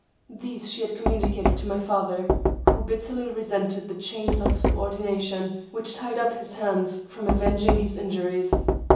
These she had communicated to my father, who bitterly resented the chains of subordination which tied up his hands from avenging his injuries.